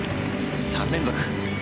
３連続。